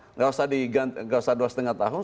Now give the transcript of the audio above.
enggak usah dua setengah tahun